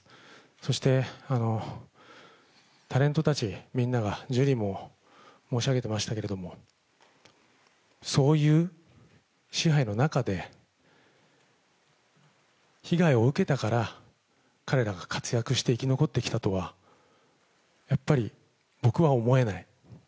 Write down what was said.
そして、タレントたちみんなが、ジュリーも申し上げてましたけれども、そういう支配の中で、被害を受けたから彼らが活躍して生き残ってきたとは、やっぱり僕は思えない。